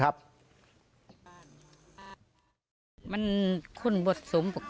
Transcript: ร้านของรัก